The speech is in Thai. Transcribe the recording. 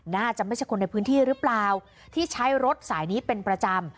น่าจะไม่ใช่คนในพื้นที่หรือเปล่าที่ใช้รถสายนี้เป็นประจำ